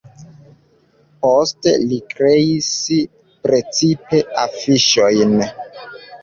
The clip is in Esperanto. Poste li kreis precipe afiŝojn.